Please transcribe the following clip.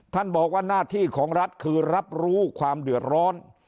ท่านบอกว่าหน้าที่ของรัฐคือรับรู้ความเดือดร้อน